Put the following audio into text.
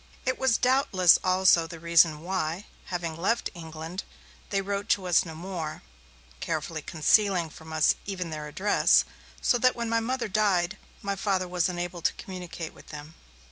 It was doubtless also the reason why, having left England, they wrote to us no more, carefully concealing from us even their address, so that when my Mother died, my Father was unable to communicate with them.